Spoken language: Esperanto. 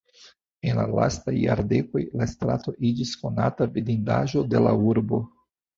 En la lastaj jardekoj, la strato iĝis konata vidindaĵo de la urbo.